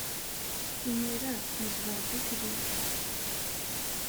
Imir-a, nezdeɣ ddukkli.